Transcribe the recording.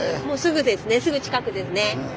もうすぐですねすぐ近くですね。